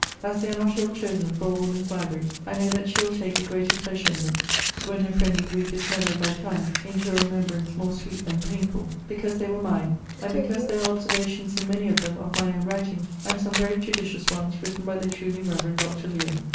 As they are not ill chosen for a woman's library, I know that she will take the greater pleasure in them, (when her friendly grief is mellowed by time into a remembrance more sweet than painful,) because they were mine; and because there are observations in many of them of my own writing; and some very judicious ones, written by the truly reverend Dr. Lewen.